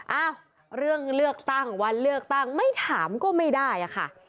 เอ้าเรื่องเลือกตั้งวันเลือกตั้งไม่ถามก็ไม่ได้อะค่ะ